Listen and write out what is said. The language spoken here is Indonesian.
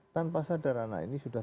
tanpa sadarana ini sudah